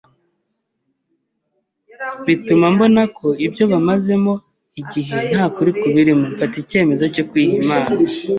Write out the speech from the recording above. bituma mbona ko ibyo mazemo igihe nta kuri kubirimo, mfata icyemezo cyo kwiha Imana.